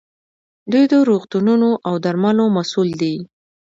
دوی د روغتونونو او درملو مسوول دي.